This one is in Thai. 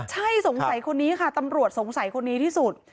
ใช่สงสัยคนนี้ค่ะตำรวจสงสัยคนนี้ที่สุด